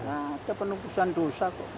ada penumpusan dosa kok